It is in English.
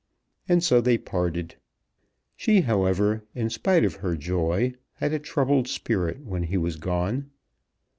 And so they parted. She, however, in spite of her joy, had a troubled spirit when he was gone.